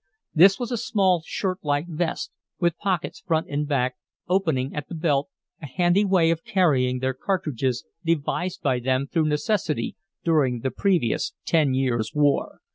This was a small shirt like vest, with pockets front and back, opening at the belt, a handy way of carrying their cartridges devised by them through necessity during the previous ten years war.